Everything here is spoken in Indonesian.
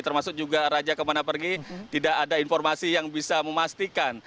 termasuk juga raja kemana pergi tidak ada informasi yang bisa memastikan